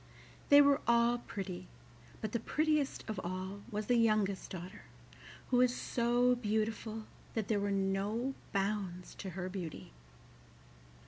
They were all pretty, but the prettiest of all was the youngest daughter, who was so beautiful that there were no bounds to her beauty.